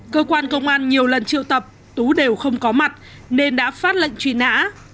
cơ quan công an nhiều lần triệu tập tú đều không có mặt nên đã phát lệnh truy nã